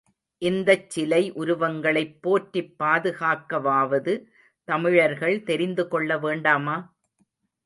இந்தச் சிலை உருவங்களைப் போற்றிப் பாதுகாக்கவாவது தமிழர்கள் தெரிந்துகொள்ள வேண்டாமா?